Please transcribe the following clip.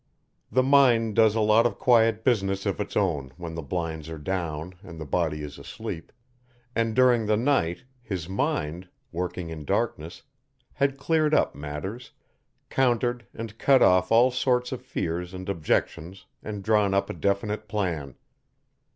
The mind does a lot of quiet business of its own when the blinds are down and the body is asleep, and during the night, his mind, working in darkness, had cleared up matters, countered and cut off all sorts of fears and objections and drawn up a definite plan.